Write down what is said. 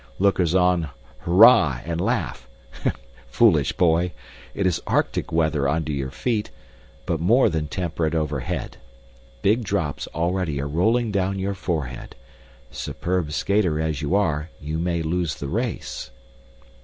Lookers on hurrah and laugh. Foolish boy! It is arctic weather under your feet, but more than temperate over head. Big drops already are rolling down your forehead. Superb skater as you are, you may lose the race.